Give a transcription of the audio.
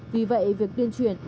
tuy vậy việc tuyên truyền